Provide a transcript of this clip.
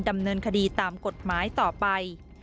ดำเนินคดีตามกฎหมายต่อไป